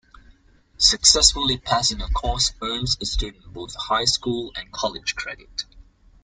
Successfully passing a course earns a student both high school and college credit.